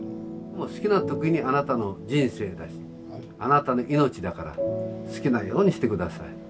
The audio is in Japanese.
好きな時にあなたの人生だしあなたの命だから好きなようにして下さい。ね。